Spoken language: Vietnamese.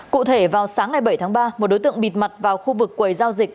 cụ thể vào sáng ngày bảy tháng ba một đối tượng bịt mặt vào khu vực quầy giao dịch